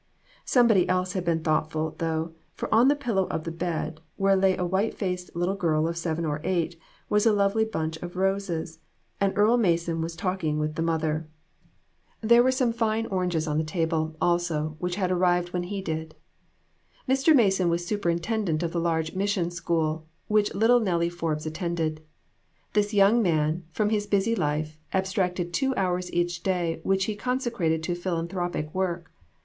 Somebody else had been thoughtful, though, for on the pillow of the bed, where lay a white faced little gin of seven or eight, was a lovely bunch of roses, and Earle Mason was talk ing with the mother. There were some fine LITTL.E NKLLII AN EVENTFUL AFTERNOON. 303 oranges on the table, also, which had arrived when he did. Mr. Mason was superintendent of the large mis sion school which little Nellie Forbes attended. This young man, from his busy life, abstracted two hours each day which he consecrated to phil anthropic work.